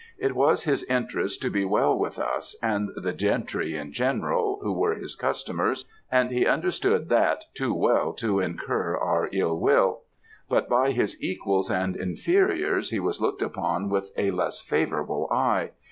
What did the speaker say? It was his interest to be well with us, and the gentry in general, who were his customers; and he understood that too well to incur our ill will; but by his equals and inferiors he was looked upon with a less favourable eye.